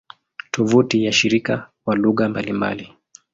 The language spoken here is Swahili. Tovuti ya shirika kwa lugha mbalimbali